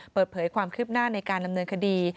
เปิดเผยความคืบหน้าในการดำเนินคดี